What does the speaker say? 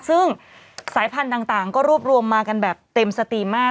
ซึ่งสายพันธุ์ต่างก็รวบรวมมากันแบบเต็มสตรีมมาก